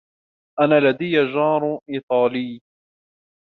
أنا لدي جار إيطالي.